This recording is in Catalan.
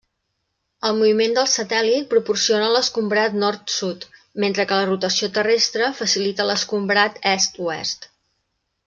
El moviment del satèl·lit proporciona l'escombrat nord-sud, mentre que la rotació terrestre facilita l'escombrat est-oest.